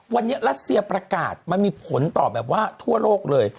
วันนี้รัสเซียประกาศมันมีผลต่อแบบว่าทั่วโลกเลย